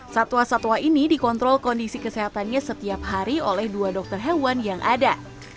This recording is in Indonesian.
satwa satwa ini dikontrol kondisi kesehatannya setiap hari oleh dua dokter hewan yang ada